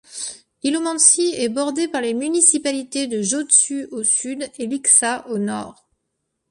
Ilomantsi est bordée par les municipalités de Joensuu au sud et Lieksa au nord.